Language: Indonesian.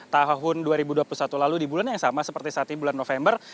tahun dua ribu dua puluh satu lalu di bulan yang sama seperti saat ini bulan november